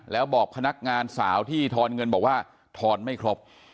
แล้วบอกพนักงานสาวที่ทอนเงินบอกว่าทอนไม่ครบ